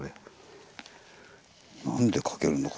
何で欠けるのかな